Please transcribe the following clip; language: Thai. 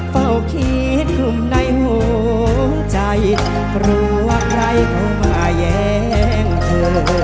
เฝ้าคิดกลุ่มในหัวใจกลัวใครเข้ามาแย้งเธอ